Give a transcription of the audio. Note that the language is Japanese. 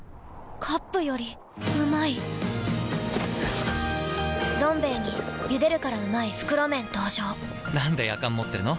カップよりうまい「どん兵衛」に「ゆでるからうまい！袋麺」登場なんでやかん持ってるの？